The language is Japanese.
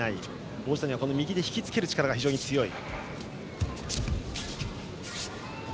王子谷は右で引きつける力が非常に強い。